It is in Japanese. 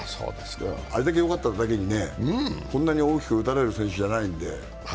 あれだけよかっただけに、こんなに大きく打たれる選手じゃないんで。